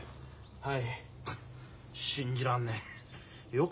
はい。